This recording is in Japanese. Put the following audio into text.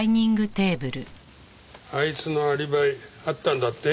あいつのアリバイあったんだって？